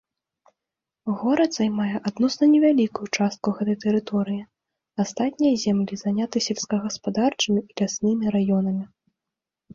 Горад займае адносна невялікую частку гэтай тэрыторыі, астатнія землі заняты сельскагаспадарчымі і ляснымі раёнамі.